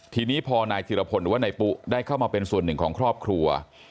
ทีนี้พอนายธิรพลหรือว่านายปุ๊ได้เข้ามาเป็นส่วนหนึ่งของครอบครัว